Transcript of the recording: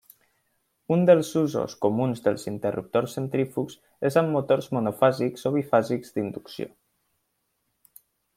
Un dels usos comuns dels interruptors centrífugs és amb motors monofàsics o bifàsics d'inducció.